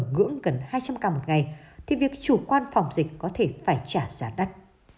ngưỡng gần hai trăm linh ca một ngày thì việc chủ quan phòng dịch có thể phải trả giá đắt